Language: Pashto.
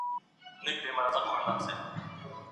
تاسو په خپل ځان کي یو اتل یاست.